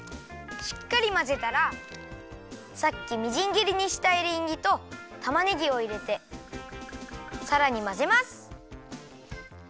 しっかりまぜたらさっきみじんぎりにしたエリンギとたまねぎをいれてさらにまぜます。